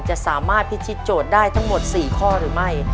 จะสามารถพิธิโจทย์ได้ทั้งหมด๔ข้อหรือไม่